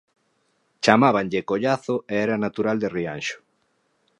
Chamábanlle Collazo e era natural de Rianxo.